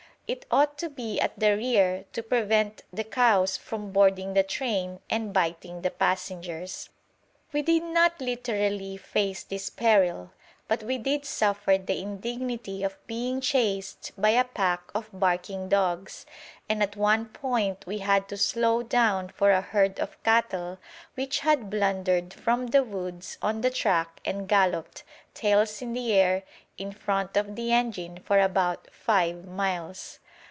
It ought to be at the rear to prevent the cows from boarding the train and biting the passengers." We did not literally face this peril, but we did suffer the indignity of being chased by a pack of barking dogs, and at one point we had to slow down for a herd of cattle which had blundered from the woods on to the track and galloped, tails in the air, in front of the engine for about five miles.